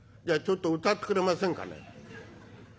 じゃあちょっと歌ってくれませんかね」。